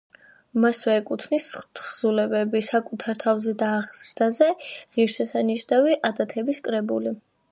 მასვე ეკუთვნის თხზულებები: „საკუთარ თავზე და აღზრდაზე“, „ღირსშესანიშნავი ადათების კრებული“.